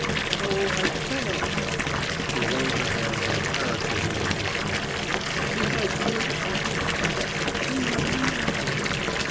"Oh, I cannot!" She wrung her hands in a paroxysm of distress "If I could, I would. I cannot imagine